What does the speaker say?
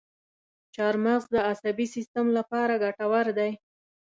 چارمغز د عصبي سیستم لپاره ګټور دی.